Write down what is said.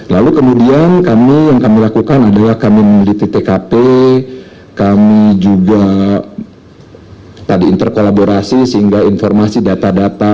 lalu kemudian kami yang kami lakukan adalah kami meneliti tkp kami juga tadi interkolaborasi sehingga informasi data data